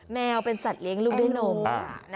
แมวเป็นสัตว์เลี้ยงลูกด้วยนม